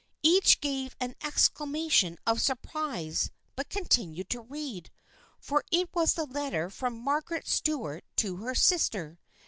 Each gave an exclamation of surprise but continued to read. For it was the letter from Margaret Stuart to her sister.